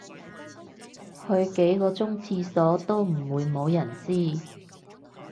去幾個鐘廁所都唔會無人知